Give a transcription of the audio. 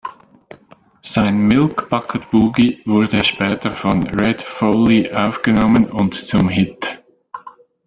Sein "Milk Bucket Boogie" wurde später von Red Foley aufgenommen und zum Hit.